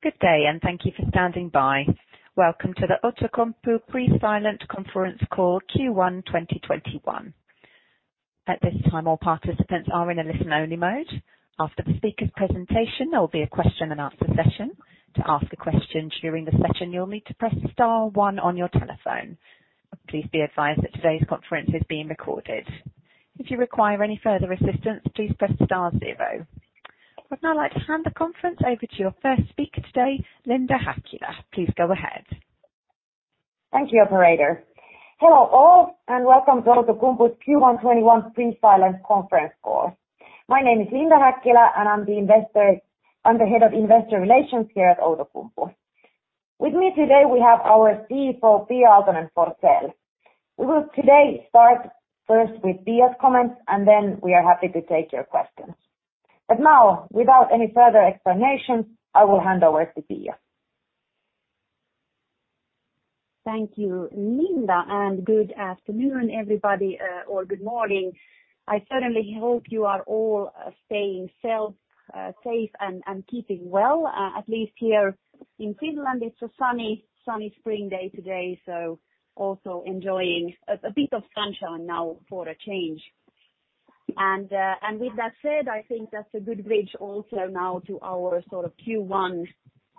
Good day. Thank you for standing by. Welcome to the Outokumpu Pre Silent Conference Call Q1 2021. At this time, all participants are in a listen-only mode. After the speaker's presentation, there will be a question and answer session. To ask a question during the session, you'll need to press star one on your telephone. Please be advised that today's conference is being recorded. If you require any further assistance, please press star zero. I'd now like to hand the conference over to your first speaker today, Linda Häkkilä. Please go ahead. Thank you, operator. Hello, all, and welcome to Outokumpu's Q1 2021 Pre-Silent Conference Call. My name is Linda Häkkilä, and I'm the Head of Investor Relations here at Outokumpu. With me today, we have our CFO, Pia Aaltonen-Forsell. We will today start first with Pia's comments. We are happy to take your questions. Now, without any further explanation, I will hand over to Pia. Thank you, Linda, and good afternoon, everybody, or good morning. I certainly hope you are all staying safe and keeping well. At least here in Finland, it's a sunny spring day today, so also enjoying a bit of sunshine now for a change. With that said, I think that's a good bridge also now to our Q1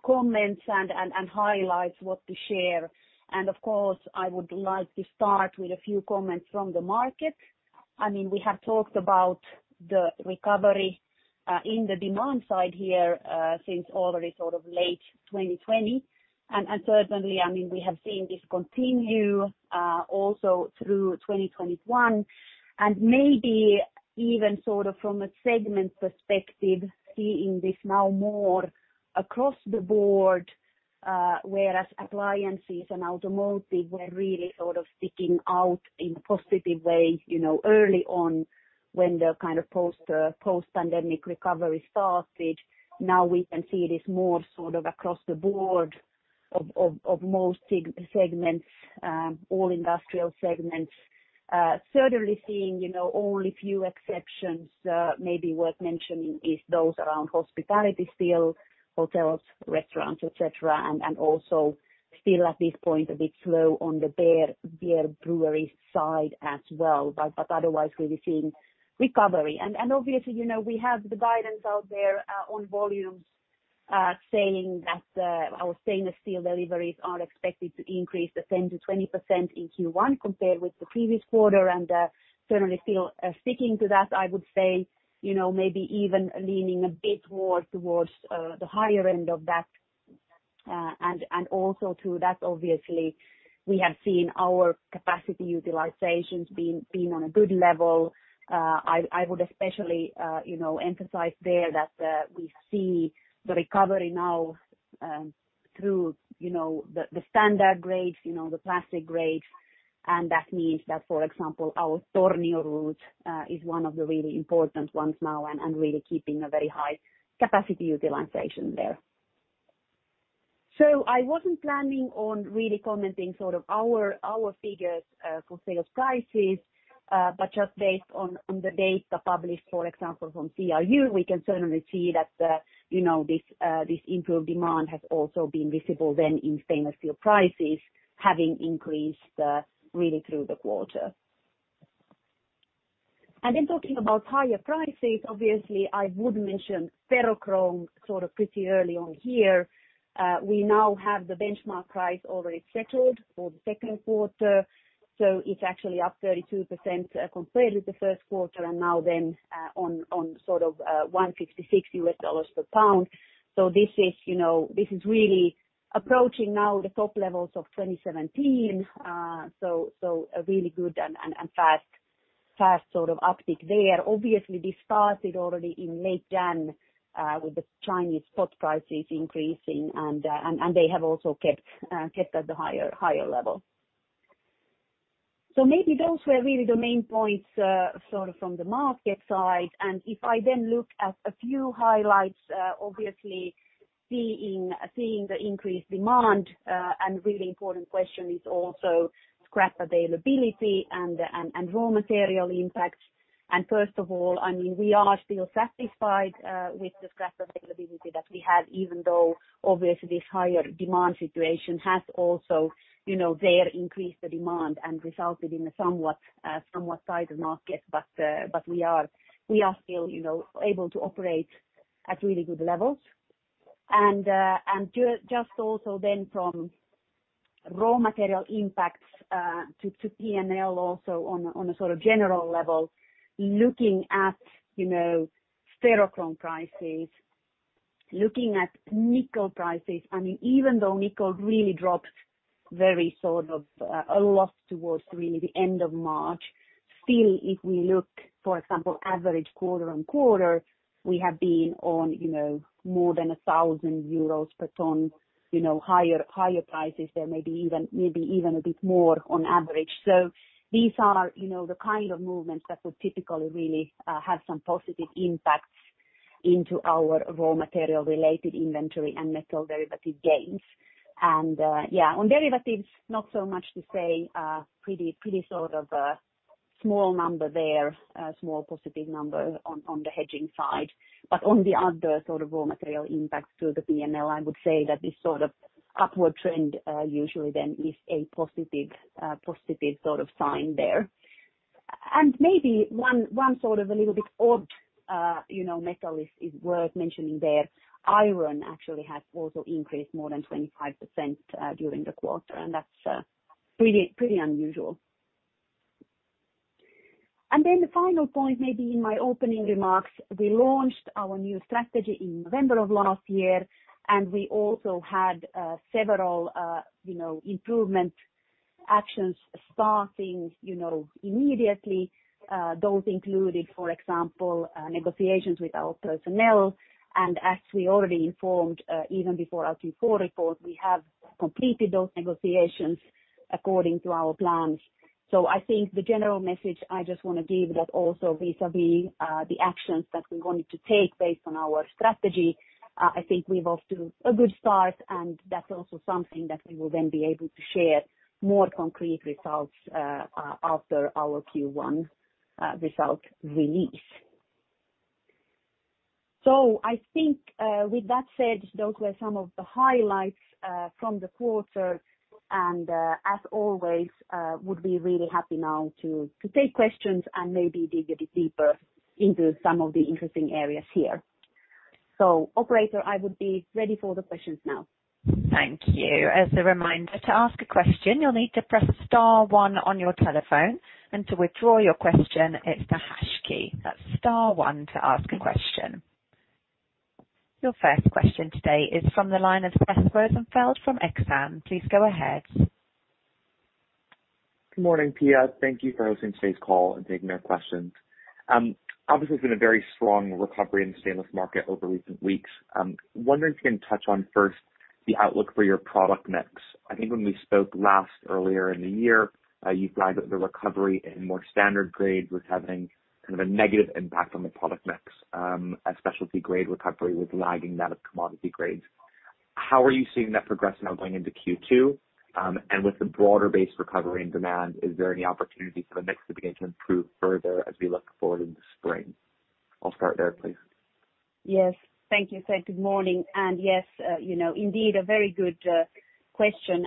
comments and highlights what to share. Of course, I would like to start with a few comments from the market. We have talked about the recovery in the demand side here since already late 2020, and certainly, we have seen this continue, also through 2021, and maybe even from a segment perspective, seeing this now more across the board, whereas appliances and automotive were really sticking out in positive ways, early on when the kind of post-pandemic recovery started. We can see this more sort of across the board of most segments, all industrial segments. Seeing only few exceptions, maybe worth mentioning is those around hospitality, still hotels, restaurants, et cetera, and also still at this point, a bit slow on the beer brewery side as well. Otherwise, really seeing recovery. Obviously, we have the guidance out there on volumes, saying that our stainless steel deliveries are expected to increase 10%-20% in Q1 compared with the previous quarter, and certainly still sticking to that, I would say, maybe even leaning a bit more towards the higher end of that. Also to that, obviously, we have seen our capacity utilizations being on a good level. I would especially emphasize there that we see the recovery now through the standard grades, the plastic grades. That means that, for example, our Tornio route, is one of the really important ones now and really keeping a very high capacity utilization there. I wasn't planning on really commenting sort of our figures for sales prices. Just based on the data published, for example, from CRU, we can certainly see that this improved demand has also been visible then in stainless steel prices, having increased really through the quarter. Talking about higher prices, obviously, I would mention ferrochrome pretty early on here. We now have the benchmark price already settled for the Q2. It's actually up 32% compared with the Q1 and now then, on $166 per pound. This is really approaching now the top levels of 2017, a really good and fast uptick there. Obviously, this started already in late Jan, with the Chinese spot prices increasing and they have also kept at the higher level. Maybe those were really the main points from the market side. If I then look at a few highlights, obviously seeing the increased demand, and really important question is also scrap availability and raw material impacts. First of all, we are still satisfied with the scrap availability that we have, even though obviously this higher demand situation has also there increased the demand and resulted in a somewhat tighter market, but we are still able to operate at really good levels. Just also then from raw material impacts, to P&L also on a sort of general level, looking at ferrochrome prices, looking at nickel prices. Even though nickel really dropped a lot towards really the end of March, still if we look, for example, average quarter-on-quarter, we have been on more than 1,000 euros per ton, higher prices there, maybe even a bit more on average. Yeah, on derivatives, not so much to say, Small number there, a small positive number on the hedging side. On the other raw material impacts to the P&L, I would say that this sort of upward trend usually then is a positive sign there. Maybe one sort of a little bit odd metal is worth mentioning there. Iron actually has also increased more than 25% during the quarter, and that's pretty unusual. The final point maybe in my opening remarks, we launched our new strategy in November of last year, and we also had several improvement actions starting immediately. Those included, for example, negotiations with our personnel. As we already informed, even before our Q4 report, we have completed those negotiations according to our plans. I think the general message I just want to give that also vis-a-vis the actions that we wanted to take based on our strategy, I think we're off to a good start, and that's also something that we will then be able to share more concrete results after our Q1 result release. I think with that said, those were some of the highlights from the quarter, and as always, would be really happy now to take questions and maybe dig a bit deeper into some of the interesting areas here. Operator, I would be ready for the questions now. Thank you. As a reminder, to ask a question, you'll need to press star one on your telephone, and to withdraw your question, it's the hash key. That's star one to ask a question. Your first question today is from the line of Seth Rosenfeld from Exane. Please go ahead. Good morning, Pia. Thank you for hosting today's call and taking our questions. Obviously, it's been a very strong recovery in the stainless market over recent weeks. I'm wondering if you can touch on first the outlook for your product mix. I think when we spoke last earlier in the year, you flagged that the recovery in more standard grades was having a negative impact on the product mix, as specialty grade recovery was lagging that of commodity grades. How are you seeing that progressing now going into Q2? With the broader base recovery and demand, is there any opportunity for the mix to begin to improve further as we look forward into spring? I'll start there, please. Yes. Thank you, Seth. Good morning. Yes, indeed, a very good question.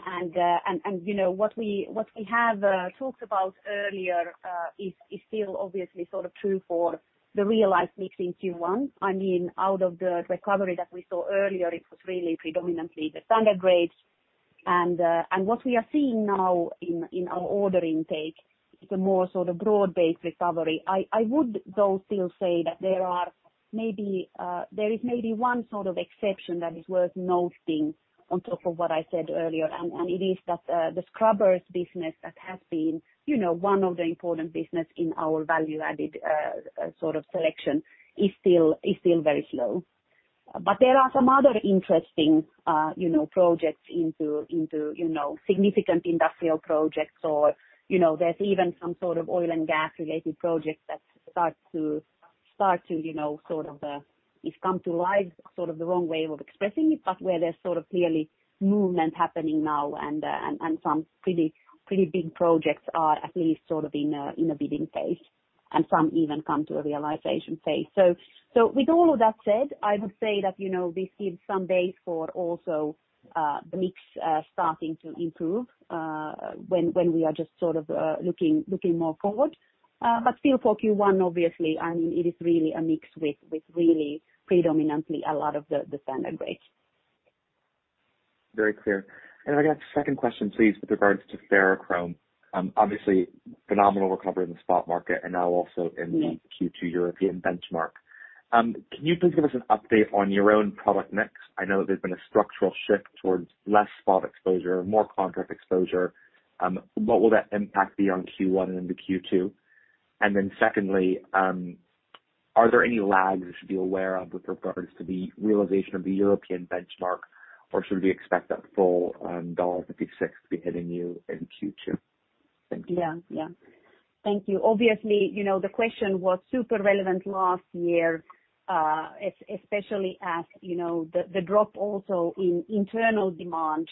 What we have talked about earlier is still obviously true for the realized mix in Q1. Out of the recovery that we saw earlier, it was really predominantly the standard grades. What we are seeing now in our order intake is a more broad-based recovery. I would, though, still say that there is maybe one exception that is worth noting on top of what I said earlier, and it is that the scrubbers business that has been one of the important business in our value-added selection is still very slow. There are some other interesting projects into significant industrial projects, or there's even some sort of oil and gas-related projects that it's come to life, the wrong way of expressing it, but where there's clearly movement happening now and some pretty big projects are at least in a bidding phase, and some even come to a realization phase. With all of that said, I would say that this gives some base for also the mix starting to improve when we are just looking more forward. Still for Q1, obviously, it is really a mix with really predominantly a lot of the standard grades. Very clear. If I could have a second question, please, with regards to ferrochrome. Obviously, phenomenal recovery in the spot market and now also in the Q2 European benchmark. Can you please give us an update on your own product mix? I know that there's been a structural shift towards less spot exposure, more contract exposure. What will that impact be on Q1 and into Q2? Secondly, are there any lags we should be aware of with regards to the realization of the European benchmark, or should we expect that full EUR 56 to be hitting you in Q2? Thank you. Yeah. Thank you. The question was super relevant last year, especially as the drop also in internal demand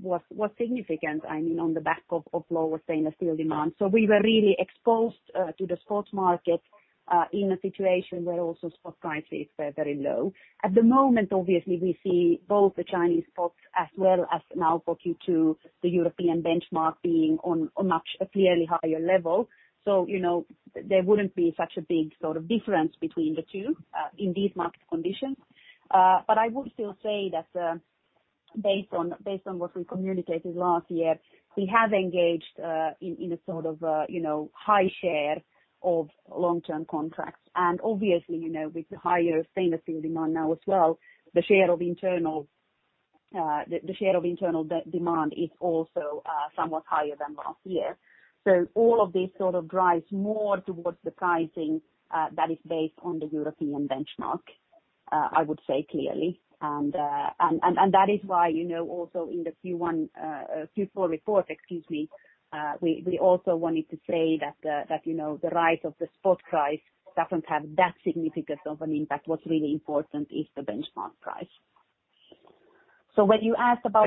was significant on the back of lower stainless steel demand. We were really exposed to the spot market in a situation where also spot prices were very low. At the moment, obviously, we see both the Chinese spots as well as now for Q2, the European benchmark being on a much clearly higher level. There wouldn't be such a big difference between the two in these market conditions. I would still say that based on what we communicated last year, we have engaged in a high share of long-term contracts. Obviously, with the higher stainless steel demand now as well, the share of internal demand is also somewhat higher than last year. All of this drives more towards the pricing that is based on the European benchmark, I would say clearly. That is why also in the Q4 report, we also wanted to say that the rise of the spot price doesn't have that significant of an impact. What's really important is the benchmark price. Thank you.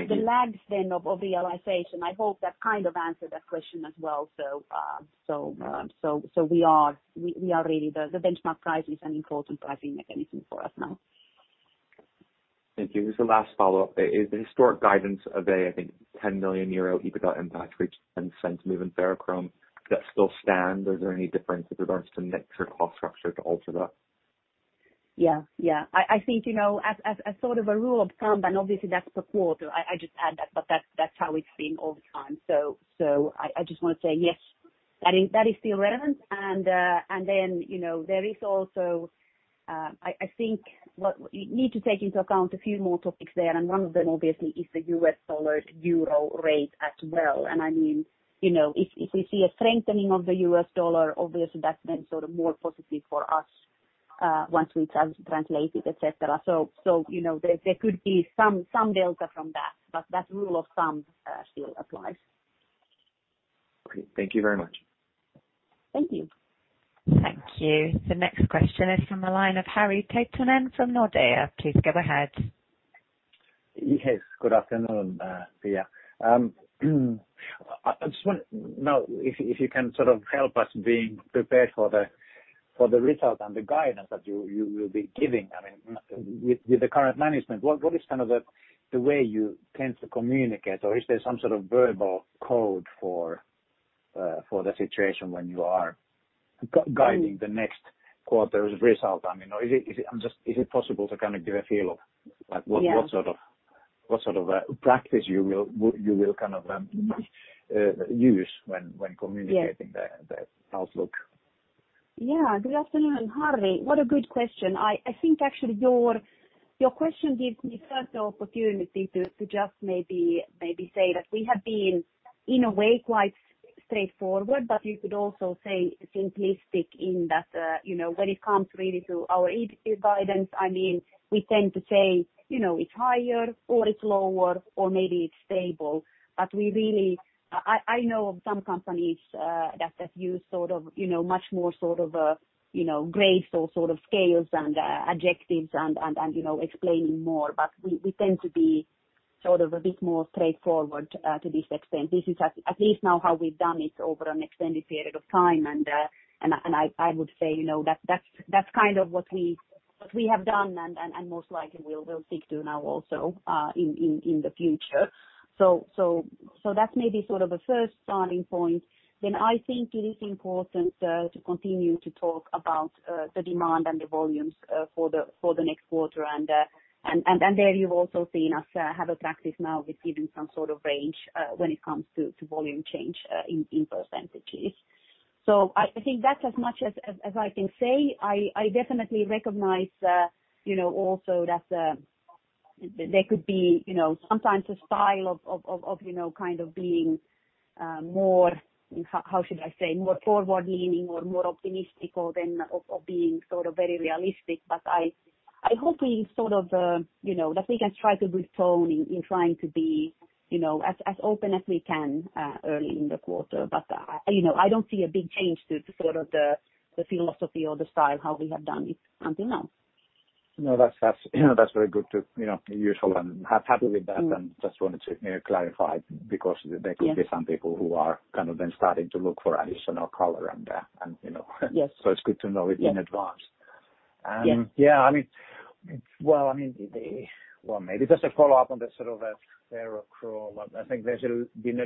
The lag of realization, I hope that kind of answered that question as well. We are really, the benchmark price is an important pricing mechanism for us now. Thank you. Just a last follow-up. Is the historic guidance of a, I think, 10 million euro EBITDA impact for each $0.10 move in ferrochrome, does that still stand, or is there any difference with regards to mix or cost structure to alter that? Yeah. I think, as a rule of thumb, and obviously that's per quarter, I just add that, but that's how it's been all the time. I just want to say yes, that is still relevant. Then, there is also, I think what we need to take into account a few more topics there, and one of them obviously is the U.S. dollar to Euro rate as well. If we see a strengthening of the U.S. dollar, obviously that's been more positive for us once we translate it, et cetera. There could be some delta from that, but that rule of thumb still applies. Okay. Thank you very much. Thank you. Thank you. The next question is from the line of Harri Taittonen from Nordea. Please go ahead. Yes, good afternoon, Pia. I just want to know if you can help us being prepared for the result and the guidance that you will be giving. I mean, with the current management, what is the way you tend to communicate, or is there some sort of verbal code for the situation when you are guiding the next quarter's result? I mean, is it possible to give a feel of what sort of practice you will use when communicating the outlook? Yeah. Good afternoon, Harri. What a good question. I think actually your question gives me first the opportunity to just maybe say that we have been, in a way, quite straightforward, but you could also say simplistic in that, when it comes really to our EBITDA guidance, I mean, we tend to say it's higher or it's lower, or maybe it's stable. I know of some companies that have used much more graceful sort of scales and adjectives and explaining more, but we tend to be a bit more straightforward to this extent. This is at least now how we've done it over an extended period of time, and I would say, that's what we have done and most likely will stick to now also in the future. That's maybe a first starting point. I think it is important to continue to talk about the demand and the volumes for the next quarter and there you've also seen us have a practice now with giving some sort of range when it comes to volume change in percentages. I think that's as much as I can say. I definitely recognize also that there could be sometimes a style of being more, how should I say, more forward-leaning or more optimistic or then of being very realistic. I hope that we can try to be tone in trying to be as open as we can early in the quarter. I don't see a big change to the philosophy or the style how we have done it until now. No, that's very good. Useful and happy with that. Just wanted to clarify because there could be some people who are then starting to look for additional color. Yes It's good to know it in advance. Yeah. Yeah, well, maybe just a follow-up on the ferrochrome. I think there's been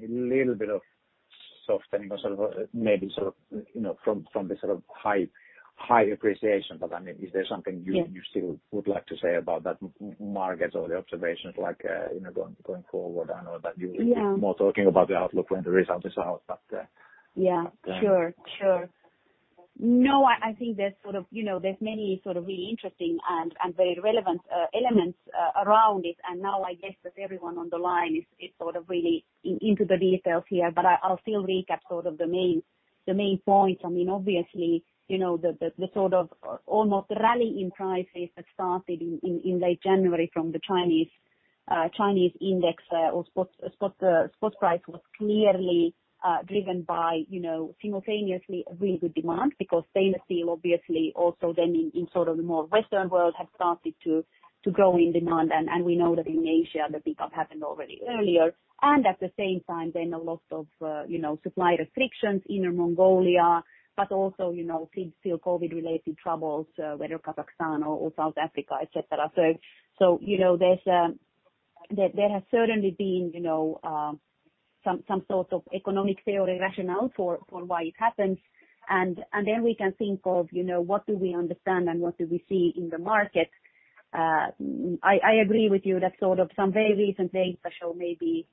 a little bit of softening or maybe from the high appreciation. I mean, is there something you still would like to say about that market or the observations like going forward? Yeah More talking about the outlook when the result is out. Yeah. Sure. No, I think there's many really interesting and very relevant elements around it, and now I guess that everyone on the line is really into the details here, but I'll still recap the main points. I mean, obviously, the almost rally in prices that started in late January from the Chinese index or spot price was clearly driven by simultaneously a really good demand because stainless steel obviously also then in the more Western world had started to grow in demand, and we know that in Asia, the pickup happened already earlier. At the same time, then a lot of supply restrictions, Inner Mongolia, but also still COVID-related troubles, whether Kazakhstan or South Africa, et cetera. There has certainly been some sort of economic theory rationale for why it happens. We can think of what do we understand and what do we see in the market. I agree with you that some very recent data show maybe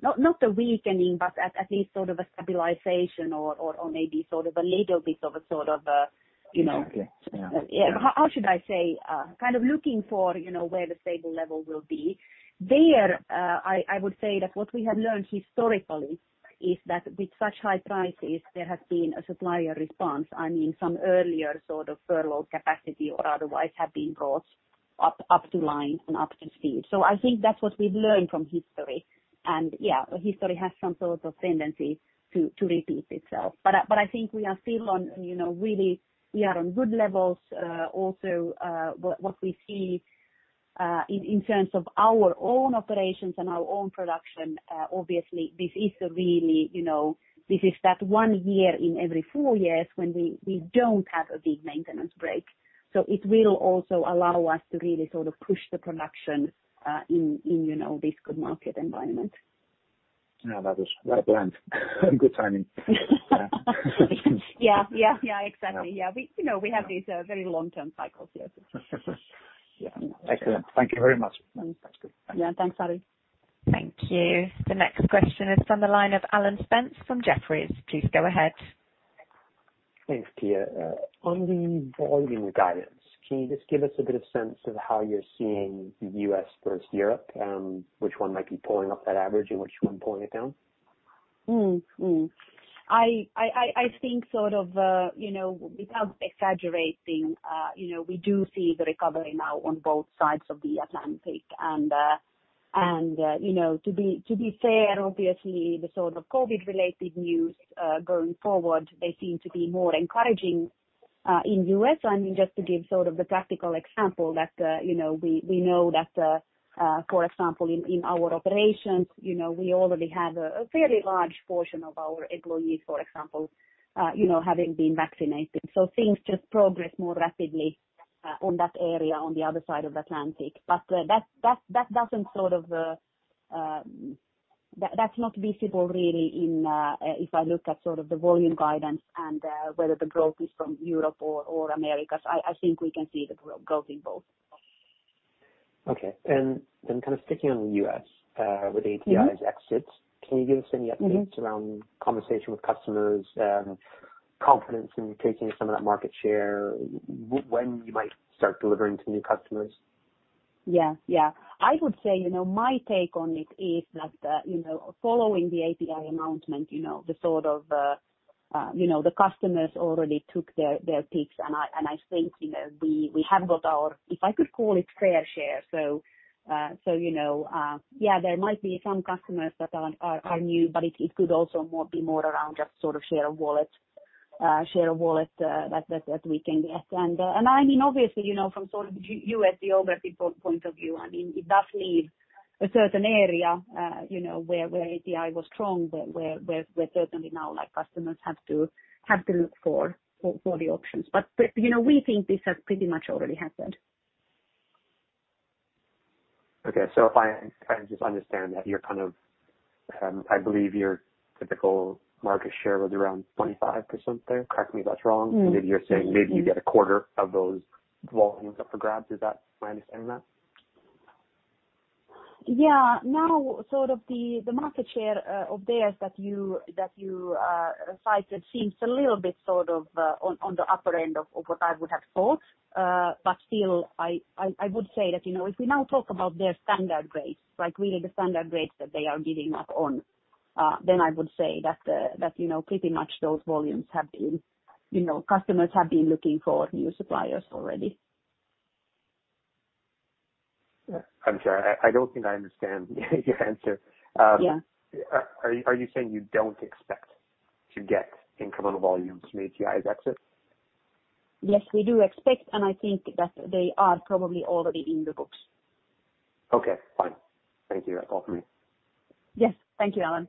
not a weakening, but at least a stabilization. Exactly. Yeah. How should I say? Looking for where the stable level will be. There, I would say that what we have learned historically is that with such high prices, there has been a supplier response. I mean, some earlier sort of furloughed capacity or otherwise have been brought up to line and up to speed. I think that's what we've learned from history. History has some sort of tendency to repeat itself. I think we are still on really good levels. Also, what we see in terms of our own operations and our own production, obviously, this is that one year in every four years when we don't have a big maintenance break. It will also allow us to really push the production in this good market environment. Yeah, that is well planned. Good timing. Yeah. Exactly. We have these very long-term cycles. Yes. Excellent. Thank you very much. Yeah. Thanks, Harri. Thank you. The next question is from the line of Alan Spence from Jefferies. Please go ahead. Thanks, Pia. On the volume guidance, can you just give us a bit of sense of how you're seeing the U.S. versus Europe, and which one might be pulling up that average and which one pulling it down? I think without exaggerating, we do see the recovery now on both sides of the Atlantic. To be fair, obviously, the sort of COVID-related news going forward, they seem to be more encouraging in the U.S. Just to give the practical example that we know that, for example, in our operations, we already have a fairly large portion of our employees, for example, having been vaccinated. Things just progress more rapidly on that area on the other side of the Atlantic. That's not visible really if I look at the volume guidance and whether the growth is from Europe or America. I think we can see the growth in both. Okay. Sticking on the U.S. with ATI's exits, can you give us any updates around conversation with customers, confidence in taking some of that market share, when you might start delivering to new customers? Yeah. I would say, my take on it is that following the ATI announcement, the customers already took their peaks. I think we have got our, if I could call it fair share. Yeah, there might be some customers that are new, but it could also be more around just share of wallet that we can get. Obviously, from U.S. geographic point of view, it does leave a certain area where ATI was strong, where certainly now customers have to look for the options. We think this has pretty much already happened. Okay. If I just understand that you're kind of, I believe your typical market share was around 25% there, correct me if that's wrong. Maybe you're saying maybe you get a quarter of those volumes up for grabs. Am I understanding that? Yeah. Now the market share of theirs that you cited seems a little bit on the upper end of what I would have thought. Still, I would say that if we now talk about their standard grades, like really the standard grades that they are giving up on, then I would say that pretty much customers have been looking for new suppliers already. I'm sorry. I don't think I understand your answer. Yeah. Are you saying you don't expect to get incremental volumes from ATI's exit? Yes, we do expect, and I think that they are probably already in the books. Okay, fine. Thank you. That's all for me. Yes. Thank you, Alan.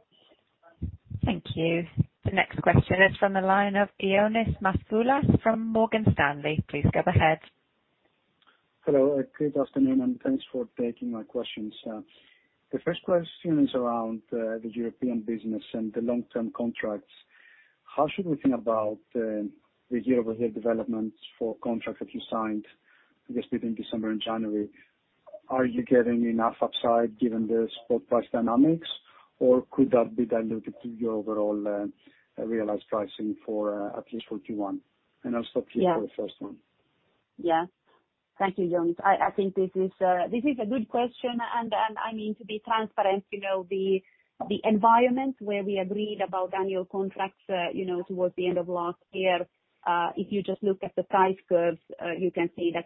Thank you. The next question is from the line of Ioannis Masvoulas from Morgan Stanley. Please go ahead. Hello. Good afternoon, and thanks for taking my questions. The first question is around the European business and the long-term contracts. How should we think about the year-over-year developments for contracts that you signed, I guess, between December and January? Are you getting enough upside given the spot price dynamics, or could that be diluted to your overall realized pricing for at least for Q1? I'll stop here for the first one. Yeah. Thank you, Ioannis. I think this is a good question, and to be transparent, the environment where we agreed about annual contracts towards the end of last year, if you just look at the price curves, you can see that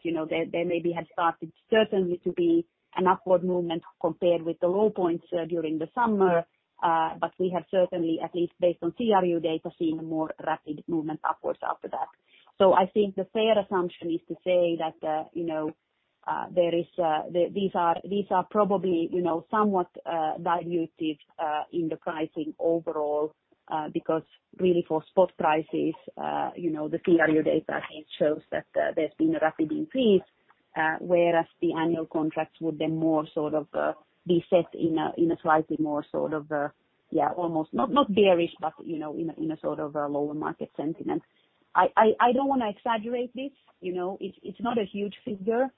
there maybe had started certainly to be an upward movement compared with the low points during the summer. We have certainly, at least based on CRU data, seen a more rapid movement upwards after that. I think the fair assumption is to say that these are probably somewhat dilutive in the pricing overall because really for spot prices, the CRU data shows that there's been a rapid increase, whereas the annual contracts would then more be set in a slightly more, almost not bearish, but in a sort of lower market sentiment. I don't want to exaggerate this. It's not a huge figure.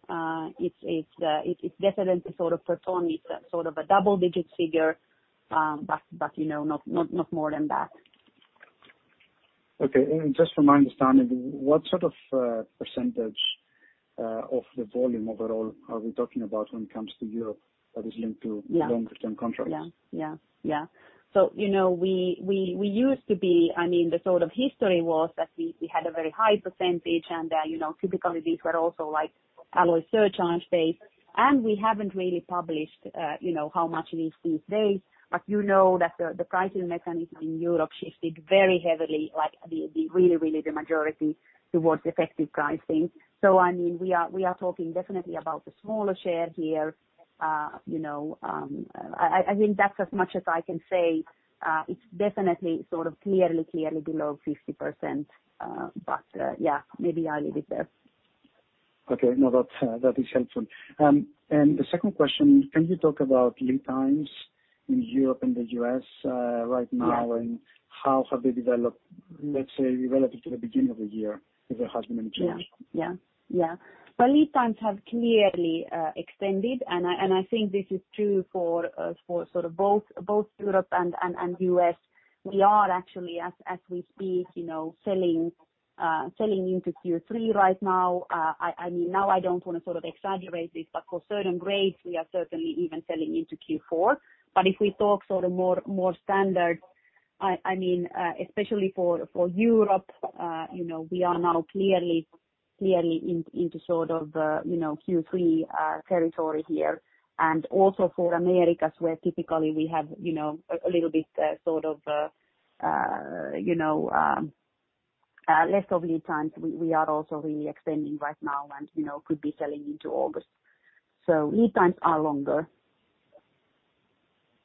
It's definitely for Tornio, it's a double-digit figure, but not more than that. Okay. Just from my understanding, what sort of percentage of the volume overall are we talking about when it comes to Europe that is linked to long-term contracts? Yeah. The history was that we had a very high percentage and that typically these were also alloy surcharge-based, and we haven't really published how much it is these days. You know that the pricing mechanism in Europe shifted very heavily, like really the majority towards effective pricing. We are talking definitely about the smaller share here. I think that's as much as I can say. It's definitely clearly below 50%, maybe I'll leave it there. Okay. No, that is helpful. The second question, can you talk about lead times in Europe and the U.S. right now and how have they developed, let's say, relative to the beginning of the year, if there has been any change? Well, lead times have clearly extended, and I think this is true for both Europe and U.S. We are actually, as we speak, selling into Q3 right now. I don't want to exaggerate this, but for certain grades we are certainly even selling into Q4. If we talk more standard, especially for Europe, we are now clearly into Q3 territory here. Also for Americas where typically we have a little bit less of lead times. We are also really extending right now and could be selling into August. Lead times are longer.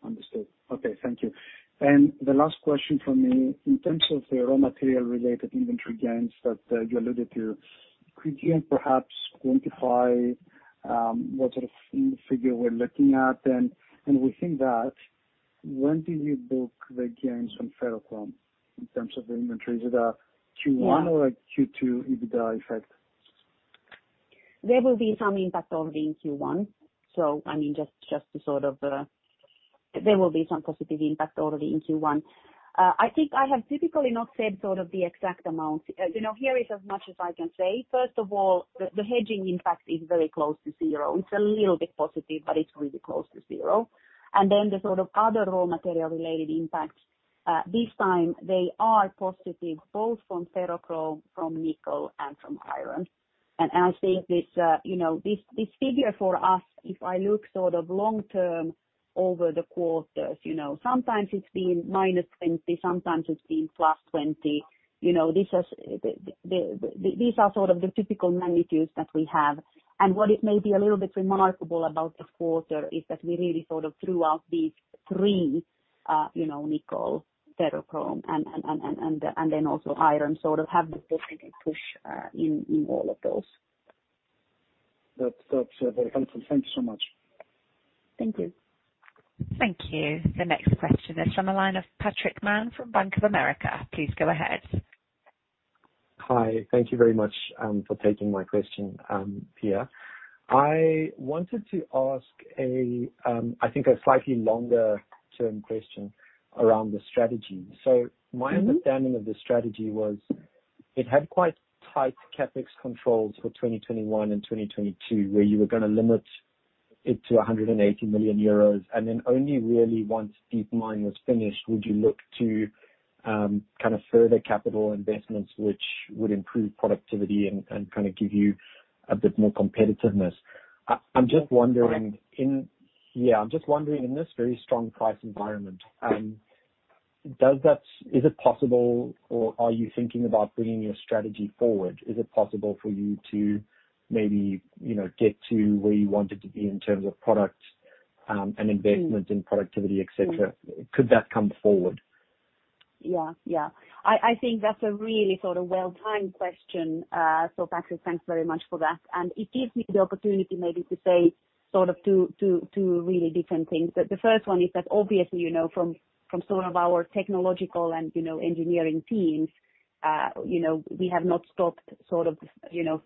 Understood. Okay. Thank you. The last question from me, in terms of the raw material related inventory gains that you alluded to, could you perhaps quantify what sort of figure we're looking at? Within that, when do you book the gains on ferrochrome in terms of the inventory? Is it a Q1 or a Q2 EBITDA effect? There will be some impact already in Q1. There will be some positive impact already in Q1. I think I have typically not said the exact amount. Here is as much as I can say. First of all, the hedging impact is very close to zero. It's a little bit positive, but it's really close to zero. The other raw material related impacts. This time they are positive, both from ferrochrome, from nickel, and from iron. I think this figure for us, if I look long-term over the quarters, sometimes it's been -20, sometimes it's been +20. These are the typical magnitudes that we have. What is maybe a little bit remarkable about the quarter is that we really throughout these three nickel, ferrochrome, and then also iron have this definite push in all of those. That's very helpful. Thank you so much. Thank you. Thank you. The next question is from the line of Patrick Mann from Bank of America. Please go ahead. Hi. Thank you very much for taking my question, Pia. I wanted to ask, I think a slightly longer term question around the strategy. My understanding of the strategy was it had quite tight CapEx controls for 2021 and 2022, where you were going to limit it to 180 million euros. Only really once Deep Mine was finished would you look to further capital investments which would improve productivity and give you a bit more competitiveness. I'm just wondering in this very strong price environment, is it possible or are you thinking about bringing your strategy forward? Is it possible for you to maybe get to where you wanted to be in terms of products and investment in productivity, et cetera? Could that come forward? Yeah. I think that's a really well-timed question. Patrick, thanks very much for that. It gives me the opportunity maybe to say two really different things. The first one is that obviously from our technological and engineering teams, we have not stopped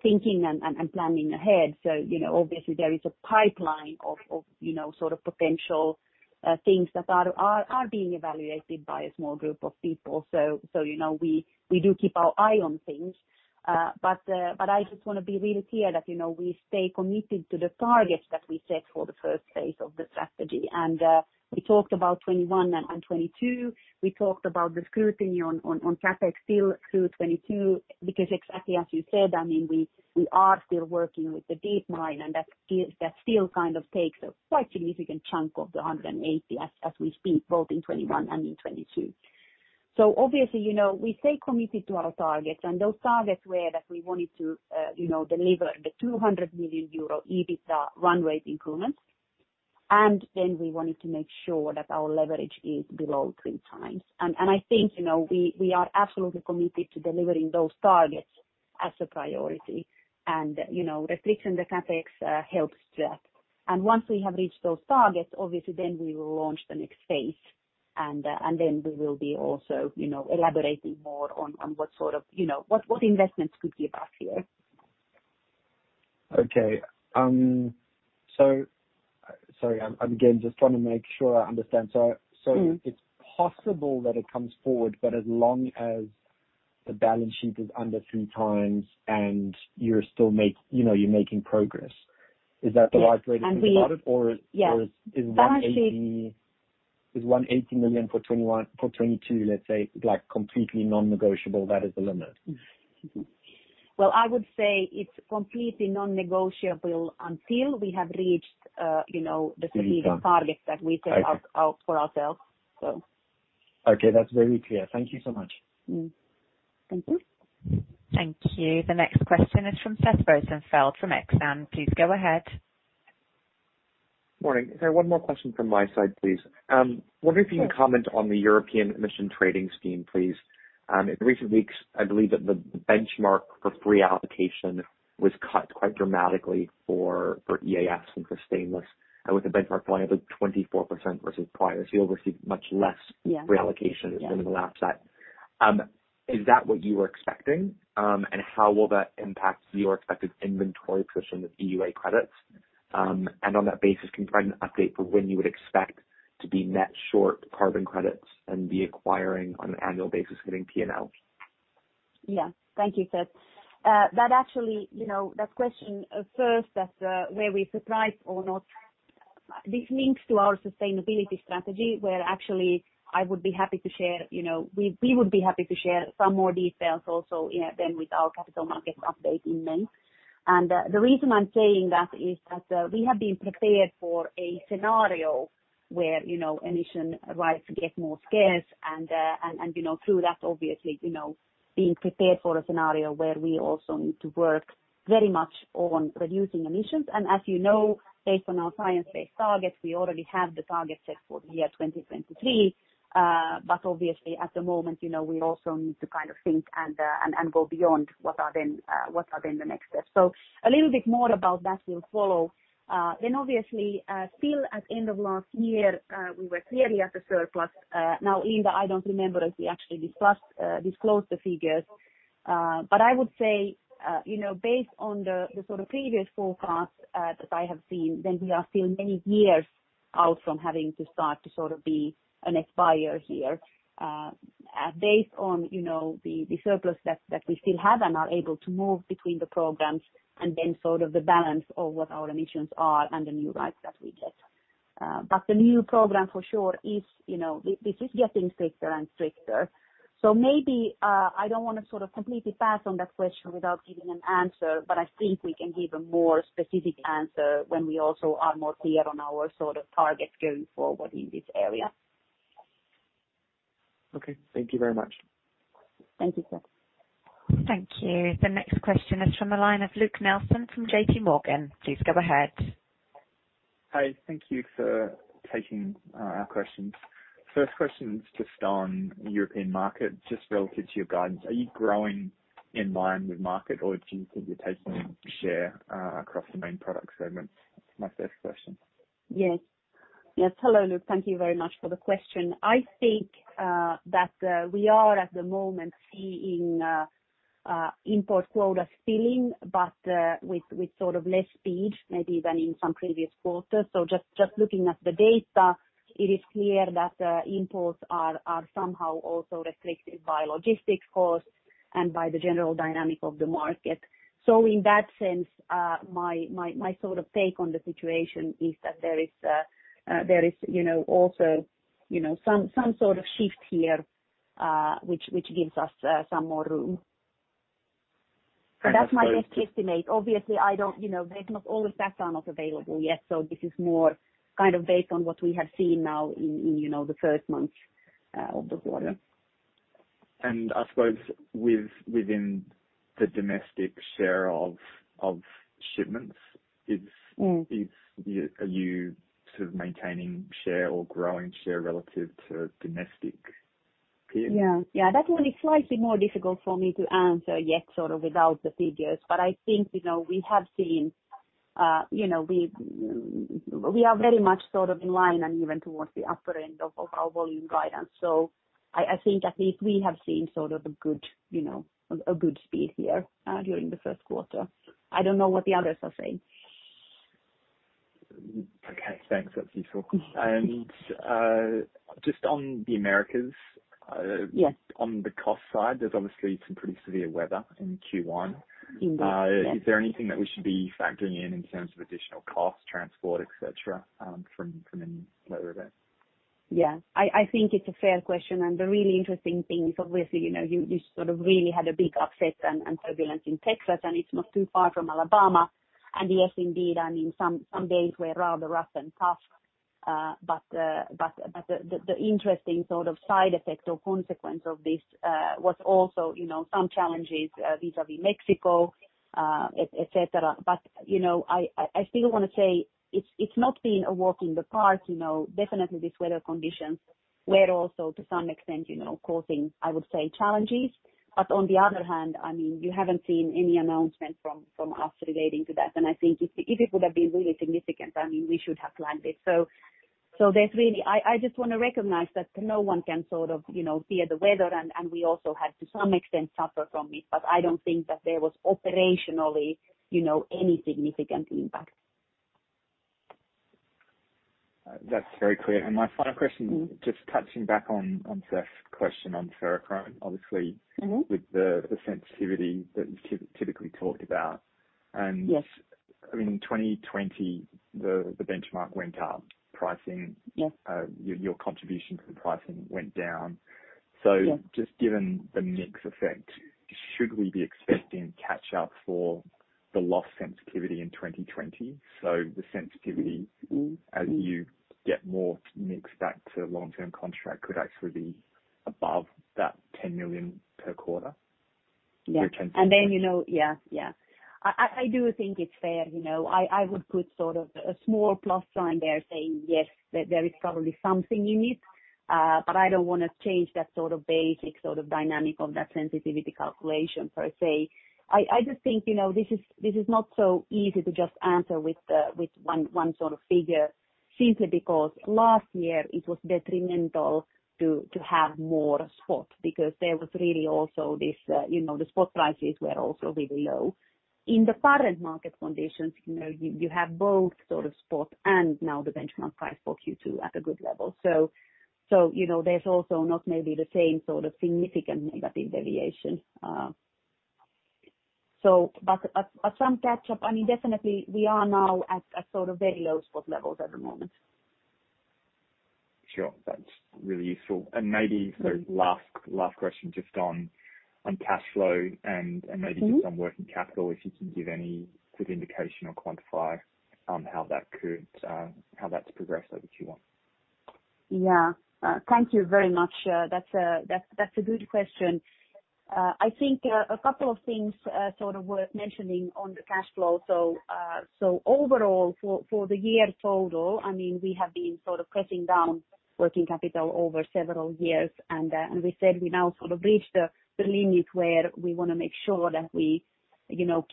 thinking and planning ahead. Obviously there is a pipeline of potential things that are being evaluated by a small group of people. We do keep our eye on things. I just want to be really clear that we stay committed to the targets that we set for the first phase of the strategy. We talked about 2021 and 2022. We talked about the scrutiny on CapEx still through 2022 because exactly as you said, we are still working with the Deep Mine and that still takes a quite significant chunk of the 180 as we speak, both in 2021 and in 2022. Obviously, we stay committed to our targets, and those targets were that we wanted to deliver the 200 million euro EBITDA run rate improvement, and then we wanted to make sure that our leverage is below three times. I think we are absolutely committed to delivering those targets as a priority. Restricting the CapEx helps that. Once we have reached those targets, obviously then we will launch the next phase. We will be also elaborating more on what investments could be about here. Okay. Sorry, I'm again just trying to make sure I understand. It's possible that it comes forward, but as long as the balance sheet is under 3x and you're making progress. Yes. Is that the right way to think about it? Yeah. Is 180 million for 2022, let's say, completely non-negotiable, that is the limit? Well, I would say it's completely non-negotiable until we have reached the specific targets that we set out for ourselves. Okay. That's very clear. Thank you so much. Mm-hmm. Thank you. Thank you. The next question is from Seth Rosenfeld from Exane. Please go ahead. Morning. There one more question from my side, please. Sure. Wondering if you can comment on the European Union Emissions Trading System, please. In recent weeks, I believe that the benchmark for free allocation was cut quite dramatically for EAF and for stainless, and with the benchmark falling above 24% versus prior. You'll receive much less reallocation than in the last set. Is that what you were expecting? How will that impact your expected inventory position with EUA credits? On that basis, can you provide an update for when you would expect to be net short carbon credits and be acquiring on an annual basis hitting P&L? Yeah. Thank you, Seth. That question first, were we surprised or not, this links to our sustainability strategy, where actually we would be happy to share some more details also with our capital markets update in May. The reason I'm saying that is that we have been prepared for a scenario where emission rights get more scarce and, through that, obviously, being prepared for a scenario where we also need to work very much on reducing emissions. As you know, based on our science-based targets, we already have the target set for the year 2023. Obviously, at the moment, we also need to think and go beyond what are then the next steps. A little bit more about that will follow. Obviously, still at end of last year, we were clearly at a surplus. Now, Seth, I don't remember if we actually disclosed the figures. I would say based on the sort of previous forecasts that I have seen, then we are still many years out from having to start to be a net buyer here. Based on the surplus that we still have and are able to move between the programs and then sort of the balance of what our emissions are and the new rights that we get. The new program for sure this is getting stricter and stricter. Maybe, I don't want to completely pass on that question without giving an answer, but I think we can give a more specific answer when we also are more clear on our targets going forward in this area. Okay. Thank you very much. Thank you, Seth. Thank you. The next question is from the line of Luke Nelson from JPMorgan. Please go ahead. Hi. Thank you for taking our questions. First question is just on European market, just relative to your guidance. Are you growing in line with market or do you think you're taking share across the main product segments? That's my first question. Yes. Hello, Luke. Thank you very much for the question. I think that we are at the moment seeing import quotas filling, but with less speed maybe than in some previous quarters. Just looking at the data, it is clear that imports are somehow also restricted by logistics costs and by the general dynamic of the market. In that sense, my take on the situation is that there is also some sort of shift here, which gives us some more room. That's my best estimate. Obviously, all the data are not available yet, so this is more based on what we have seen now in the first month of the quarter. I suppose within the domestic share of shipments. Are you maintaining share or growing share relative to domestic peers? Yeah. That one is slightly more difficult for me to answer yet without the figures. I think we are very much in line and even towards the upper end of our volume guidance. I think at least we have seen a good speed here during the Q1. I don't know what the others are saying. Okay, thanks. That's useful. Just on the Americas. Yes On the cost side, there's obviously some pretty severe weather in Q1. Indeed. Yes. Is there anything that we should be factoring in in terms of additional cost, transport, et cetera, from any weather events? Yeah. I think it's a fair question. The really interesting thing is, obviously, you sort of really had a big upset and turbulence in Texas, and it's not too far from Alabama. Yes, indeed, some days were rather rough and tough. The interesting side effect or consequence of this, was also some challenges vis-à-vis Mexico, et cetera. I still want to say it's not been a walk in the park. Definitely these weather conditions were also, to some extent, causing, I would say, challenges. On the other hand, you haven't seen any announcement from us relating to that. I think if it would have been really significant, we should have flagged it. I just want to recognize that no one can sort of, you know, fear the weather, and we also had to some extent suffer from it, but I don't think that there was operationally any significant impact. That's very clear. My final question, just touching back on Seth's question on ferrochrome with the sensitivity that you typically talked about. Yes I mean, 2020, the benchmark went up. Yes Your contribution to the pricing went down. Yes. Just given the mix effect, should we be expecting catch-up for the lost sensitivity in 2020 as you get more mix back to long-term contract could actually be above that 10 million per quarter return? Yeah. I do think it's fair. I would put sort of a small plus sign there saying, yes, there is probably something in it. I don't want to change that sort of basic dynamic of that sensitivity calculation per se. I just think this is not so easy to just answer with one sort of figure, simply because last year it was detrimental to have more spot because there was really also the spot prices were also really low. In the current market conditions, you have both sort of spot and now the benchmark price for Q2 at a good level. There's also not maybe the same sort of significant negative deviation. Some catch-up, I mean, definitely we are now at sort of very low spot levels at the moment. Sure. That's really useful. Maybe sort of last question just on cash flow and maybe just on working capital, if you can give any good indication or quantify on how that's progressed over Q1. Yeah. Thank you very much. That's a good question. I think a couple of things sort of worth mentioning on the cash flow. Overall for the year total, we have been sort of pressing down working capital over several years, and we said we now sort of reached the limit where we want to make sure that we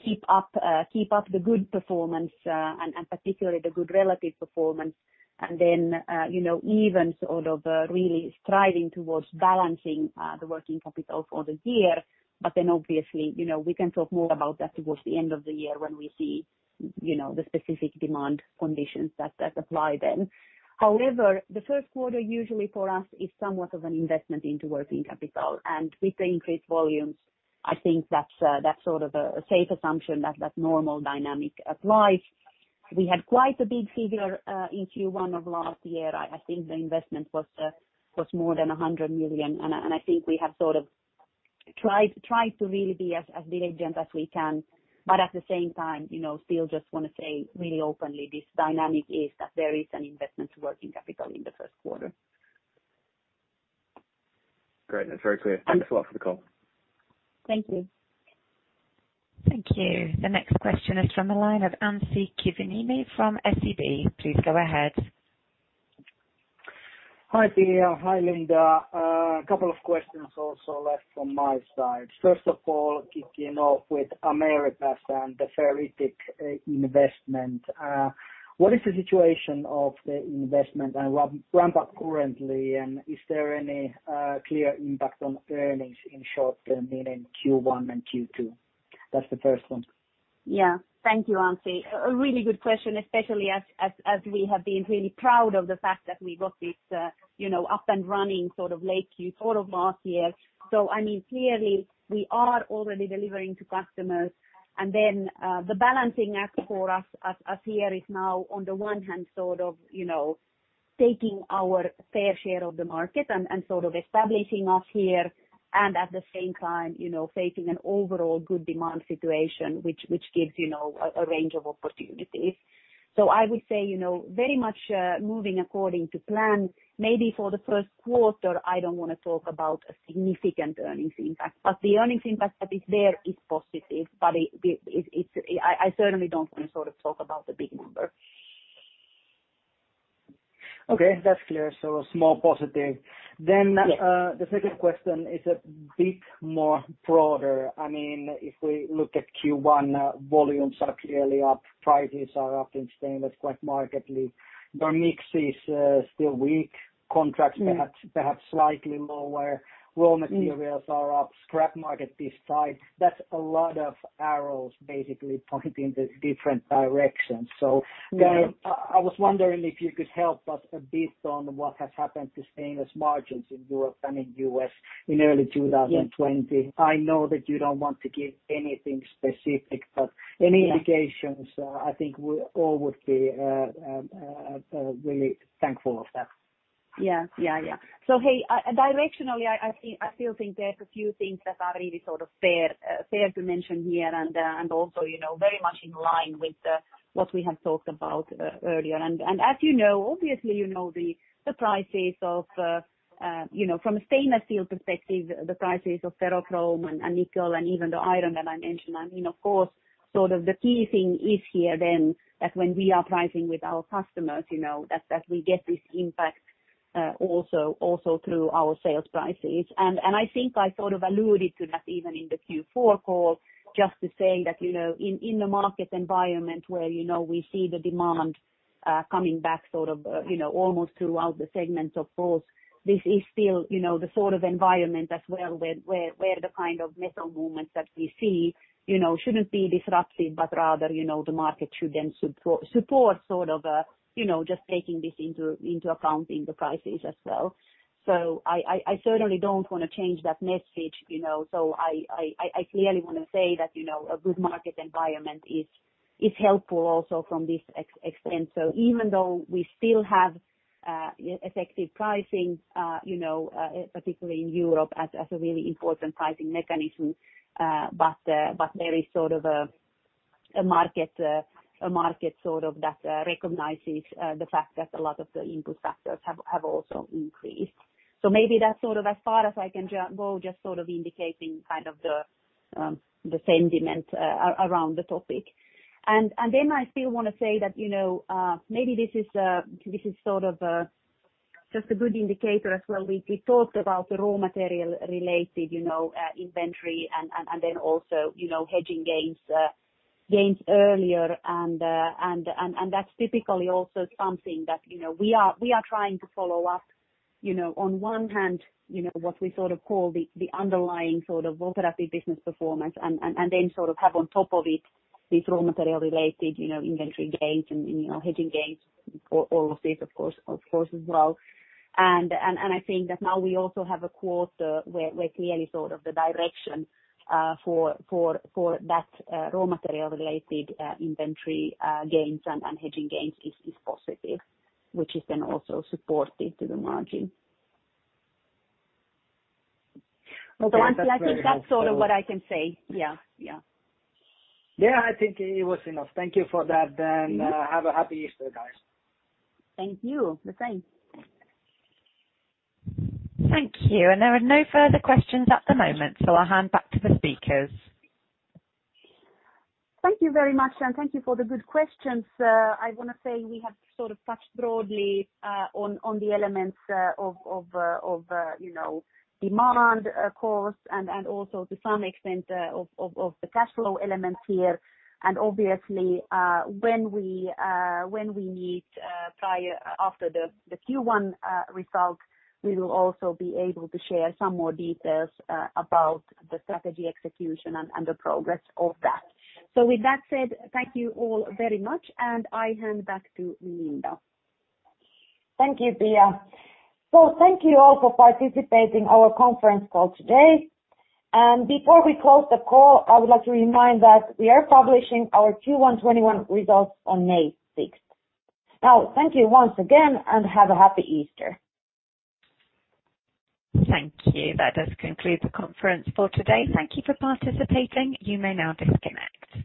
keep up the good performance, and particularly the good relative performance. Even sort of really striving towards balancing the working capital for the year. Obviously, we can talk more about that towards the end of the year when we see the specific demand conditions that apply then. However, the Q1 usually for us is somewhat of an investment into working capital. With the increased volumes, I think that's sort of a safe assumption that normal dynamic applies. We had quite a big figure in Q1 of last year. I think the investment was more than 100 million, and I think we have sort of tried to really be as diligent as we can. But at the same time, still just want to say really openly, this dynamic is that there is an investment working capital in the Q1. Great. That's very clear. Thanks a lot for the call. Thank you. Thank you. The next question is from the line of Anssi Kiviniemi from SEB. Please go ahead. Hi, Pia. Hi, Linda. A couple of questions also left from my side. Kicking off with Americas and the ferritic investment. What is the situation of the investment and ramp-up currently, and is there any clear impact on earnings in short term, meaning Q1 and Q2? That's the first one. Yeah. Thank you, Anssi. A really good question, especially as we have been really proud of the fact that we got this up and running sort of late Q4 of last year. I mean, clearly we are already delivering to customers and then the balancing act for us here is now, on the one hand, sort of taking our fair share of the market and sort of establishing us here, and at the same time facing an overall good demand situation, which gives a range of opportunities. I would say, very much moving according to plan, maybe for the Q1, I don't want to talk about a significant earnings impact. The earnings impact that is there is positive, but I certainly don't want to sort of talk about the big number. Okay, that's clear. A small positive. Yes The second question is a bit more broader. I mean, if we look at Q1, volumes are clearly up, prices are up in Stainless quite markedly. The mix is still weak. Contracts perhaps slightly lower. Raw materials are up, scrap market this side. That's a lot of arrows basically pointing in different directions. Yeah I was wondering if you could help us a bit on what has happened to stainless margins in Europe and in U.S. in early 2020? Yes. I know that you don't want to give anything specific. Yeah indications, I think we all would be really thankful of that. Yeah. Hey, directionally, I still think there's a few things that are really sort of fair to mention here and also very much in line with what we have talked about earlier. As you know, obviously, the prices from a stainless steel perspective, the prices of ferrochrome and nickel and even the iron that I mentioned, I mean, of course, sort of the key thing is here then that when we are pricing with our customers, that we get this impact also through our sales prices. I think I sort of alluded to that even in the Q4 call, just saying that in the market environment where we see the demand coming back sort of almost throughout the segments. Of course, this is still the sort of environment as well, where the kind of metal movements that we see shouldn't be disruptive, but rather the market should then support just taking this into account in the prices as well. I certainly don't want to change that message. I clearly want to say that, a good market environment is helpful also from this extent. Even though we still have effective pricing, particularly in Europe as a really important pricing mechanism, but there is sort of a market that recognizes the fact that a lot of the input factors have also increased. Maybe that's sort of as far as I can go, just sort of indicating kind of the sentiment around the topic. I still want to say that maybe this is sort of just a good indicator as well. We talked about the raw material related inventory and then also hedging gains earlier and that's typically also something that we are trying to follow up, on one hand, what we sort of call the underlying sort of operative business performance and then sort of have on top of it, these raw material related inventory gains and hedging gains, all of this of course as well. I think that now we also have a quarter where clearly sort of the direction for that raw material related inventory gains and hedging gains is positive, which is then also supportive to the margin. Okay, that's very helpful. I think that's sort of what I can say. Yeah. Yeah, I think it was enough. Thank you for that. Have a happy Easter, guys. Thank you. The same. Thank you. There are no further questions at the moment, so I'll hand back to the speakers. Thank you very much, thank you for the good questions. I want to say we have sort of touched broadly on the elements of demand, of course, and also to some extent of the cash flow elements here. Obviously, when we meet after the Q1 results, we will also be able to share some more details about the strategy execution and the progress of that. With that said, thank you all very much, and I hand back to Linda. Thank you, Pia. Thank you all for participating our conference call today. Before we close the call, I would like to remind that we are publishing our Q1 2021 results on May 6th. Thank you once again, and have a happy Easter. Thank you. That does conclude the conference for today. Thank you for participating. You may now disconnect.